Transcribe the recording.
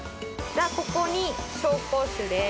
ここに紹興酒です。